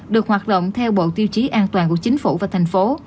được hoạt động theo bộ tiêu chí an toàn của chính phủ và thành phố